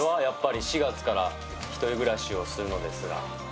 やっぱり「４月から一人暮らしをするのですが」